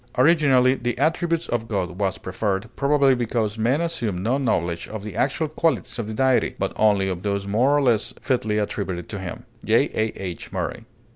"Originally 'the attributes of God' was preferred, probably, because men assumed no knowledge of the actual qualities of the Deity, but only of those more or less fitly attributed to him." J. A. H. MURRAY.